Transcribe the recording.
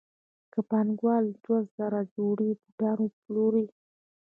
که پانګوال دوه زره جوړې بوټان وپلوري